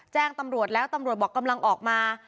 แจ้งตำรวจแล้วตำรวจบอกกำลังออกมา